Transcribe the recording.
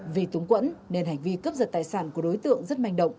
vì túng quẫn nên hành vi cướp giật tài sản của đối tượng rất manh động